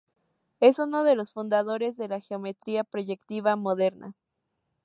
Es uno de los fundadores de la geometría proyectiva moderna.